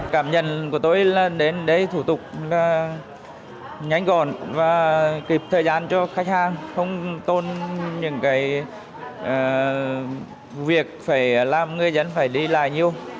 cảm nhận của tôi là đến đây thủ tục là nhanh gọn và kịp thời gian cho khách hàng không tôn những việc phải làm người dân phải đi lại nhiều